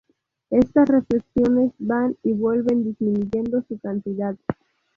Estas reflexiones van y vuelven, disminuyendo su cantidad.